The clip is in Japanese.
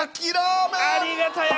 ありがたや！